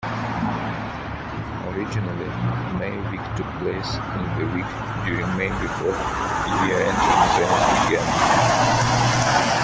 Originally May Week took place in the week during May before year-end exams began.